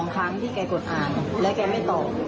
ครั้งที่แกกดอ่านแล้วแกไม่ตอบ